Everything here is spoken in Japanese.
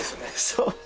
そう。